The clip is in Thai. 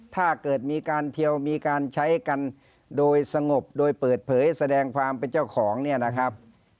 ถ้าเกิดมีการเทียวมีการใช้กันโดยสงบโดยเปิดเผยแสดงความเป็นเจ้าของเนี่ยนะครับ